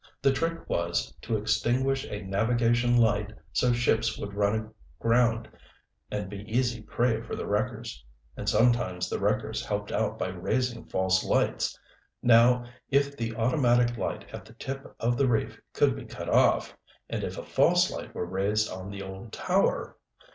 The trick was to extinguish a navigation light so ships would run aground and be easy prey for the wreckers. And sometimes the wreckers helped out by raising false lights. Now if the automatic light at the tip of the reef could be cut off, and if a false light were raised on the old tower